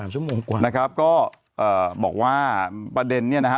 ชั่วโมงกว่านะครับก็บอกว่าประเด็นเนี่ยนะฮะ